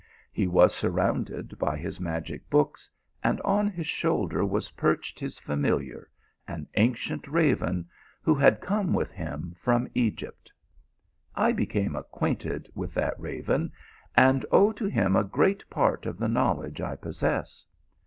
He was surrounded by his magic books, and on his shoulder was perched his familiar, an ancient raven, who had come with him from Egypt. I became acquainted with that raven, and owe to him a great part of the knowledge I possess.